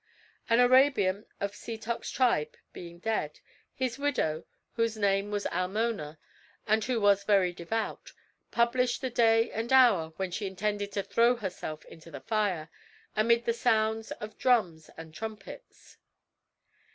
An Arabian of Setoc's tribe being dead, his widow, whose name was Almona, and who was very devout, published the day and hour when she intended to throw herself into the fire, amidst the sound of drums and trumpets.